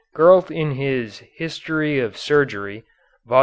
Gurlt in his "History of Surgery" (Vol.